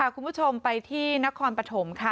คุณผู้ชมไปที่นครปฐมค่ะ